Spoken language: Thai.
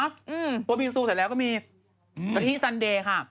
อืมตัวบิงซูเสร็จแล้วก็มีกะทิซันเดย์ค่ะ